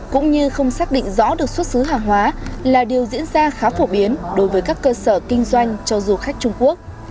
cũng như không xác định rõ được xuất xứ hàng hóa là điều diễn ra khá phổ biến đối với các cơ sở kinh doanh cho du khách trung quốc